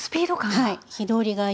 はい。